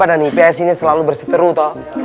warga negara ipoh dan ips ini selalu berseteru toh